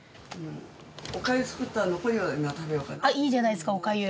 いいじゃないですかお粥。